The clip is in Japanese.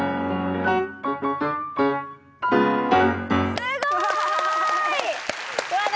すごい！